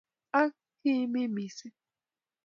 Ak ki-imige mising',